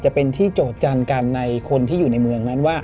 จะเป็นที่โจทย์กันในคนที่อยู่ในเมืองนั้นว่า